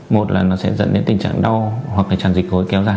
một là nó sẽ dẫn đến tình trạng đau hoặc là tràn dịch gối kéo dài